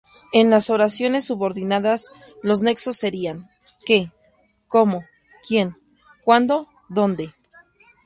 En las oraciones subordinadas los nexos serían: que, como, quien, cuando, donde.